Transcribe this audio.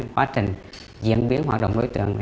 quá trình diễn biến hoạt động đối tượng